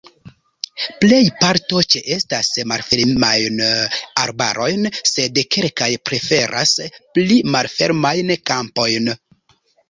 Plej parto ĉeestas malfermajn arbarojn, sed kelkaj preferas pli malfermajn kampojn.